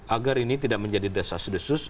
agar ini tidak menjadi dasar sedesus